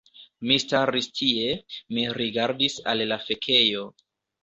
Mi staris tie, mi rigardis al la fekejo